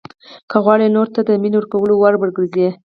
که غواړئ نورو ته د مینې ورکولو وړ وګرځئ.